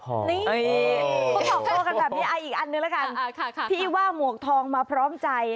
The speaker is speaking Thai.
ต้องพอพูดกันแบบนี้อีกอันนึงละกันพี่ว่าหมวกทองมาพร้อมใจ